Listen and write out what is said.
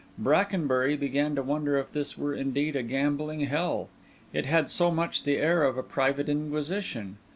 Brackenbury began to wonder if this were indeed a gambling hell: it had so much the air of a private inquisition.